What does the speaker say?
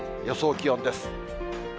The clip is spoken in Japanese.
予想気温です。